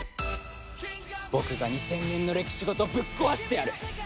僕が２０００年の歴史ごとぶっ壊してやる！